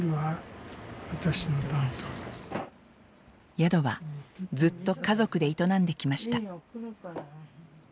宿はずっと家族で営んできました。